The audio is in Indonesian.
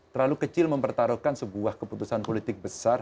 terlalu kecil mempertaruhkan sebuah keputusan politik besar